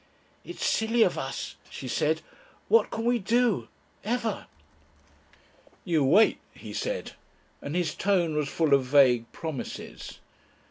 "It's silly of us," she said. "What can we do? ever?" "You wait," he said, and his tone was full of vague promises.